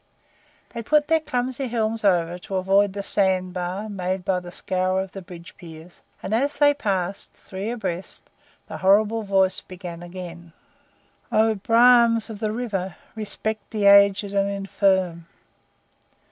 They put their clumsy helms over to avoid the sand bar made by the scour of the bridge piers, and as they passed, three abreast, the horrible voice began again: "O Brahmins of the River respect the aged and infirm!"